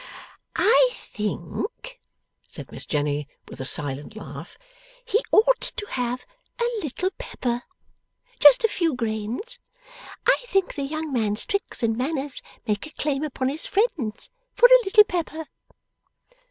'I think,' said Miss Jenny with a silent laugh, 'he ought to have a little pepper? Just a few grains? I think the young man's tricks and manners make a claim upon his friends for a little pepper?